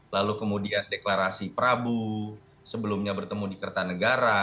lalu kemudian deklarasi prabu sebelumnya bertemu di kertanegara